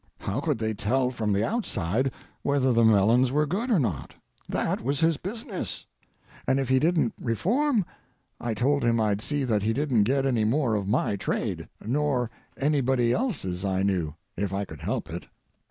How could they tell from the outside whether the melons were good or not? That was his business. And if he didn't reform, I told him I'd see that he didn't get any more of my trade—nor anybody else's I knew, if I could help it.